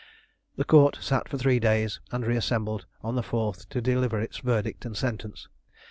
The Court sat for three days, and reassembled on the fourth to deliver its verdict and sentence.